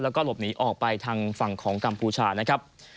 แล้วก็หลบหนีออกไปทางฝั่งของกัมพูชานะครับ